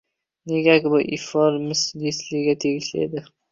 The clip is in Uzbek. Negaki, bu ifor miss Lesliga tegishli edi